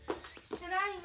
ただいま。